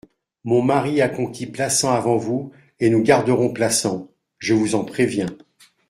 Mon mari a conquis Plassans avant vous, et nous garderons Plassans, je vous en préviens.